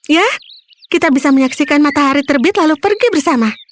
ya kita bisa menyaksikan matahari terbit lalu pergi bersama